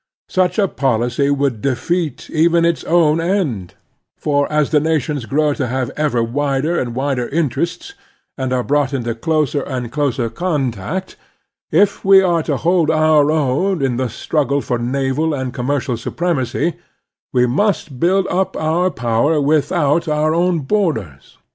Such a policy would defeat even its own end ; for as the nations grow to have ever wider and wider interests, and are brought into closer and closer contact, if we are to hold our own in the struggle for naval and commercial supremacy, we must build up otu* power without The Strenuous Life ix our own bor^er3.